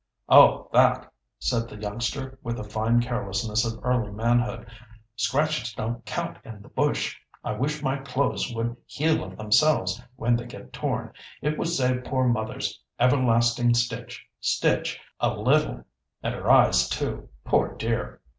"Oh, that!" said the youngster with the fine carelessness of early manhood. "Scratches don't count in the bush. I wish my clothes would heal of themselves when they get torn. It would save poor mother's everlasting stitch, stitch, a little, and her eyes too, poor dear!